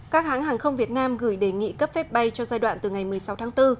các hãng hàng không việt nam gửi đề nghị cấp phép bay cho giai đoạn từ ngày một mươi sáu tháng bốn